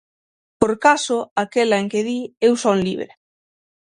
Por caso, aquela en que di: Eu son libre.